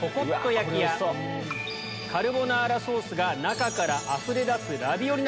カルボナーラソースが中からあふれ出す。